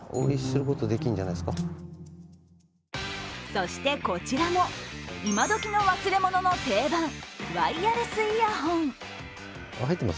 そして、こちらも今どきの忘れ物の定番、ワイヤレスイヤホン。